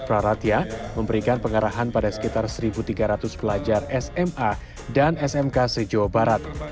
baik bagi lingkungan smk se jawa barat